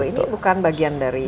ini bukan bagian dari